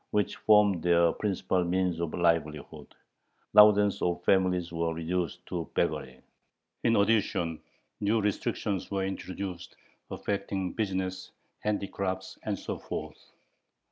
which formed their principal means of livelihood. Thousands of families were reduced to beggary. In addition, new restrictions were introduced affecting business, handicrafts, and so forth.